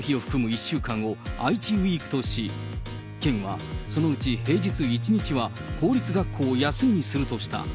１週間をあいちウィークとし、県はそのうち平日１日は、公立学校を休みにするとした。